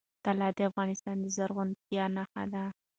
طلا د افغانستان د زرغونتیا نښه ده.